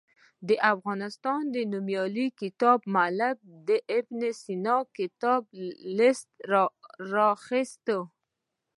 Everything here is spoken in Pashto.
د افغانستان نومیالي کتاب مولف د ابن سینا کتابونو لست راخیستی.